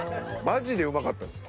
マジでうまかったです。